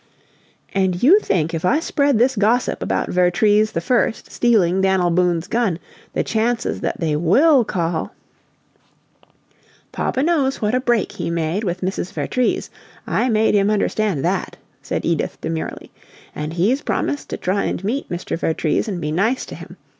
"And you think if I spread this gossip about Vertrees the First stealing Dan'l Boone's gun, the chances that they WILL call " "Papa knows what a break he made with Mrs. Vertrees. I made him understand that," said Edith, demurely, "and he's promised to try and meet Mr. Vertrees and be nice to him.